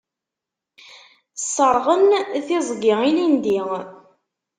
Sserɣen tiẓgi ilindi.